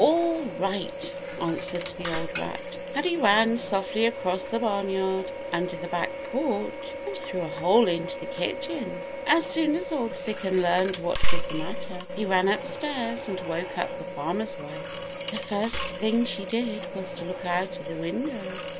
"All right," answered the old rat, and he ran softly across the barnyard, under the back porch, and through a hole into the kitchen. As soon as Old Sic'em learned what was the matter, he ran upstairs and woke up the farmer's wife. The very first thing she did was to look out of the window.